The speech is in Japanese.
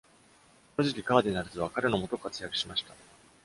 この時期、カーディナルズは彼のもと活躍しました。